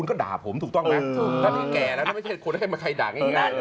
ชัดเจน